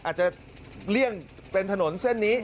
เลี่ยงเป็นถนนเส้นนี้